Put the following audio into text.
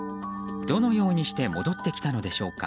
どのようにして戻ってきたのでしょうか。